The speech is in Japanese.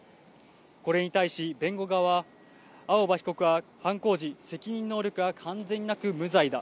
これに対し弁護側は、青葉被告は犯行時、責任能力が完全になく無罪だ。